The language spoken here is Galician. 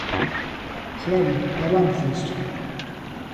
Gloria, avances...